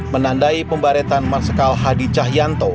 menandai pembaretan marsikal hadi cahyanto